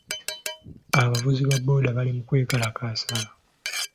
Abavuzi ba booda bali mu kwekalakaasa.